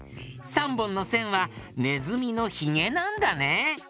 ３ぼんのせんはねずみのひげなんだね。